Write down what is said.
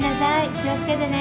気をつけてね。